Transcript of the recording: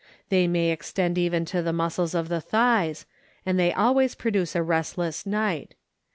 They may extend even to the muscles of the thighs and they always produce a restless night.